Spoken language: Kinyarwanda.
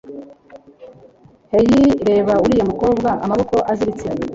Hey, reba uriya mukobwa amaboko aziritse.